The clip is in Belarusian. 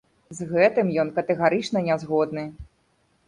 З гэтым ён катэгарычна не згодны.